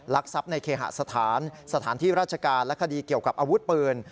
ทรัพย์ในเคหสถานสถานที่ราชการและคดีเกี่ยวกับอาวุธปืน